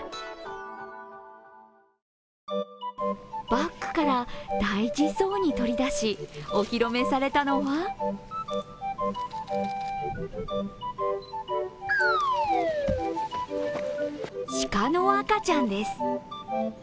バッグから大事そうに取り出し、お披露目されたのは鹿の赤ちゃんです。